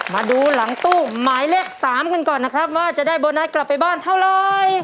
มาดูหลังตู้หมายเลข๓กันก่อนนะครับว่าจะได้โบนัสกลับไปบ้านเท่าไร